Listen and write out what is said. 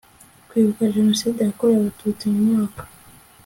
kwibuka Jenoside yakorewe Abatutsi Mu mwaka